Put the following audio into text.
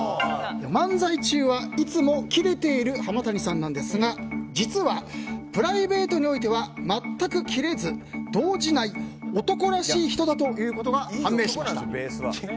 漫才中は、いつもキレている浜谷さんなんですが実はプライベートにおいては全くキレず動じない男らし人だということが判明しました。